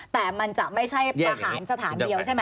แต่มันจะไม่ใช่ทหารสถานเดียวใช่ไหม